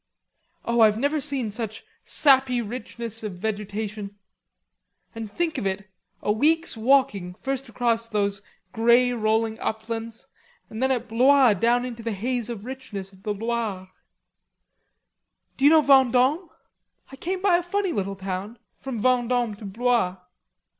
Oh, I've never seen such sappy richness of vegetation! And think of it, a week's walking first across those grey rolling uplands, and then at Blois down into the haze of richness of the Loire.... D'you know Vendome? I came by a funny little town from Vendome to Blois.